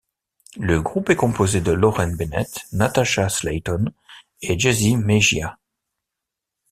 Le groupe est composé de Lauren Bennett, Natasha Slayton et Jazzy Mejia.